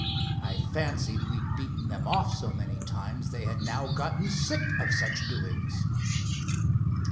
I fancied we'd beaten them off so many times they had now gotten sick of such doings."